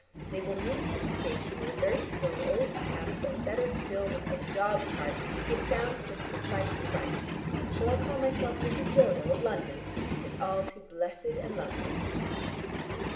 They will meet me at the station with a very slow old cab, or better still with a dog cart. It sounds just precisely right. Shall I call myself Mrs. Dodo of London? It's all too blessed and lovely."